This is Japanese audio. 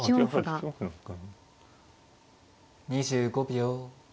２５秒。